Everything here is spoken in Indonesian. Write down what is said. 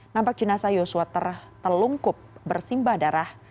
nampak jenazah yosua terlengkup bersimba darah